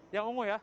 yang ungu ya